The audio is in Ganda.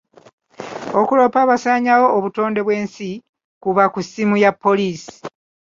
Okuloopa abasaanyaawo obutonde bw'ensi, kuba ku ssimu ya poliisi.